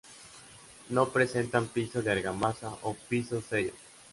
No presentan piso de argamasa o "piso sello".